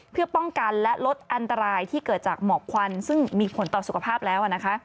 เพื่อป้องกันและลดอันตรายที่เกิดจากหมอกควันซึ่งมีผลต่อสุขภาพแล้วนะคะ